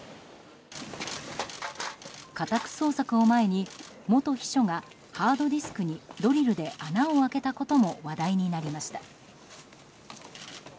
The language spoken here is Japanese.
家宅捜索を前に元秘書がハードディスクにドリルで穴を開けたことも話題になりました。